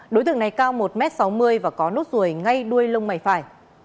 đối tượng này cao một m sáu mươi và có nốt ruồi ngay đuôi lông mày phải